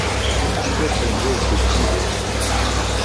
سێ پهنجهو کورتی دێنێ